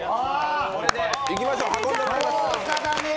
行きましょう、運んでもらいます。